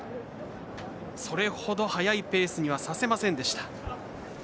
それほど速いペースにはさせませんでした。